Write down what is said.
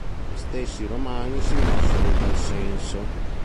Gli stessi romani si mossero in tal senso.